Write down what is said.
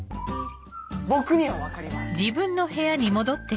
僕には分かります。